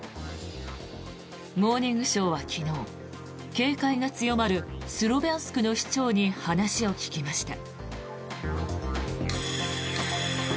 「モーニングショー」は昨日警戒が強まるスロビャンスクの市長に話を聞きました。